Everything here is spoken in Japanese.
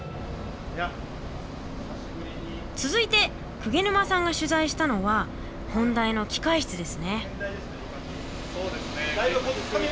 続いて久下沼さんが取材したのは本題の機械室ですね。